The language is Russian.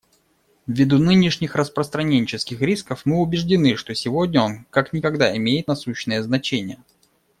Ввиду нынешних распространенческих рисков мы убеждены, что сегодня он как никогда имеет насущное значение.